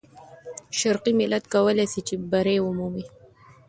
شرقي ملت کولای سي چې بری ومومي.